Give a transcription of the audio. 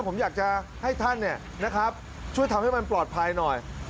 ผมอยากจะให้ท่านช่วยทำให้มันปลอดภัยหน่อย